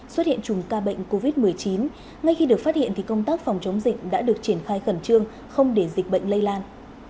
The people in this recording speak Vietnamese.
xuất hiện chùm ca bệnh covid một mươi chín ngay khi được phát hiện thì công tác phòng chống dịch đã được triển khai khẩn trương không để dịch bệnh lây lan